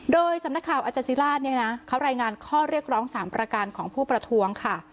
โดยสำนักข่าวอาจาศิราชเนี่ยนะเขารายงานข้อเรียกร้อง๓ประการของผู้ประท้วงค่ะ